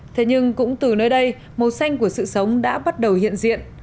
thế nhưng cũng từ nơi đây màu xanh của sự sống đã bắt đầu hiện diện